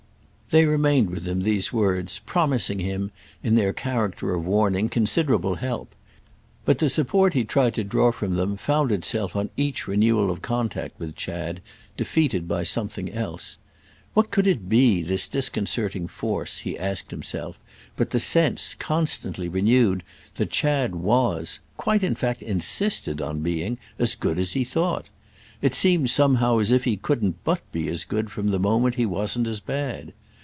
They remained with him, these words, promising him, in their character of warning, considerable help; but the support he tried to draw from them found itself on each renewal of contact with Chad defeated by something else. What could it be, this disconcerting force, he asked himself, but the sense, constantly renewed, that Chad was—quite in fact insisted on being—as good as he thought? It seemed somehow as if he couldn't but be as good from the moment he wasn't as bad.